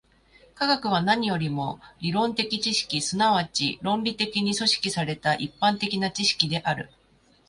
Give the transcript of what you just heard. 科学は何よりも理論的知識、即ち論理的に組織された一般的な知識である。